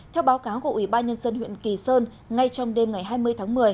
theo báo cáo của ủy ban nhân dân huyện kỳ sơn ngay trong đêm ngày hai mươi tháng một mươi